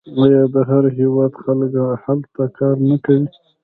آیا د هر هیواد خلک هلته کار نه کوي؟